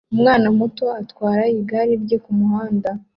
Umwana muto atwara igare rye kumuhanda